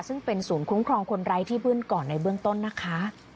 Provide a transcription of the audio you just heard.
ซึ่งเป็นศูนย์คุ้มครองคนไร้ที่พึ่งก่อนในเบื้องต้นนะคะ